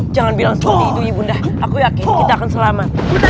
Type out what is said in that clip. jangan bilang seperti itu ibunda aku yakin kita akan selamat